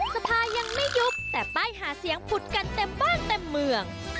สภายังไม่ยุบแต่ป้ายหาเสียงผุดกันเต็มบ้านเต็มเมือง